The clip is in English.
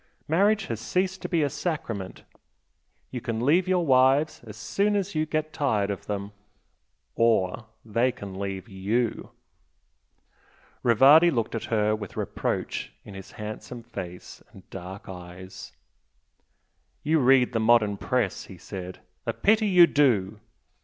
Marriage has ceased to be a sacrament, you can leave your wives as soon as you get tired of them, or they can leave YOU!" Rivardi looked at her with reproach in his handsome face and dark eyes. "You read the modern Press" he said "A pity you do!"